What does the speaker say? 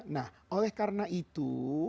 nah oleh karena itu